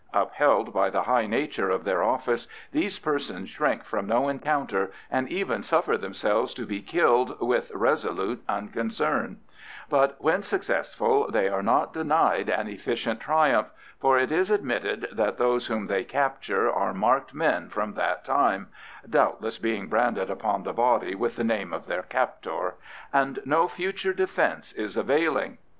Upheld by the high nature of their office these persons shrink from no encounter and even suffer themselves to be killed with resolute unconcern; but when successful they are not denied an efficient triumph, for it is admitted that those whom they capture are marked men from that time (doubtless being branded upon the body with the name of their captor), and no future defence is availing.